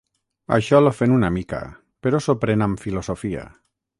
Això l'ofèn una mica, però s'ho pren amb filosofia.